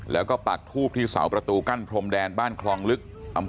แล้วก็ปักทูบที่เสาประตูกั้นพรมแดนบ้านคลองลึก